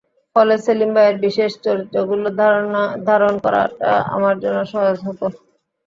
ফলে সেলিম ভাইয়ের বিশেষ চরিত্রগুলো ধারণ করাটা আমার জন্য সহজ হতো।